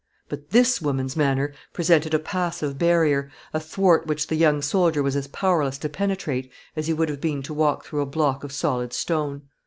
But this woman's manner presented a passive barrier, athwart which the young soldier was as powerless to penetrate as he would have been to walk through a block of solid stone.